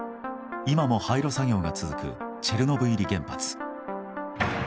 今も廃炉作業が続くチェルノブイリ原発。